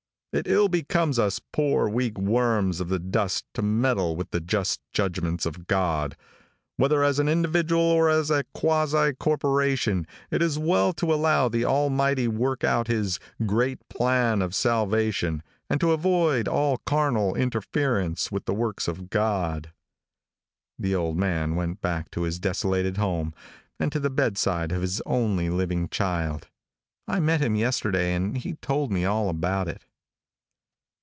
It ill becomes us poor, weak worms of the dust to meddle with the just judgments of God. Whether as an individual or as a quasi corporation, it is well to allow the Almighty to work out His great plan of salvation, and to avoid all carnal interference with the works of God." The old man went back to his desolated home and to the bedside of his only living child. I met him yesterday and he told me all about it.